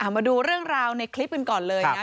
มาดูเรื่องราวในคลิปกันก่อนเลยนะ